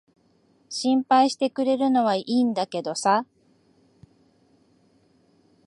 心配してくれるのは良いんだけどさ。